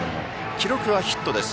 記録はヒットです。